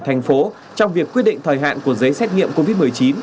thành phố trong việc quyết định thời hạn của giấy xét nghiệm covid một mươi chín